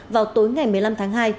vào tối ngày một mươi năm tháng hai